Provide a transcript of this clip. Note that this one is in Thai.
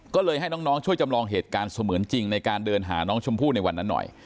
ก็เลยให้น้องช่วยจำลองเหตุการณ์เสมือนจริงในการเดินหาน้องชมพู่ในวันนั้นหน่อย